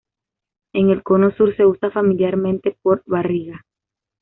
En el Cono Sur se usa familiarmente por "barriga".